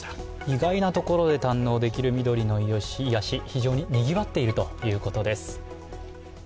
意外なところで堪能できる緑の癒やし、非常ににぎわっているということです。